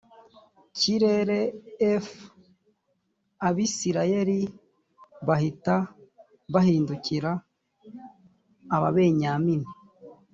kirere f abisirayeli bahita bahindukira ababenyamini